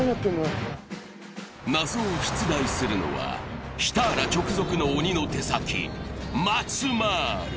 謎を出題するのは、シターラ直属の鬼の手先マツマル。